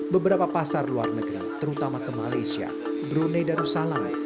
beberapa pasar luar negara terutama ke malaysia brunei dan nusa lama